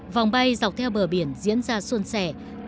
vòng bay dọc theo bờ biển diễn ra xuân sẻ